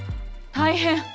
大変！